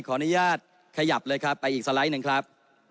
ขออนุญาตขยับเลยครับไปอีกสไลด์หนึ่งครับ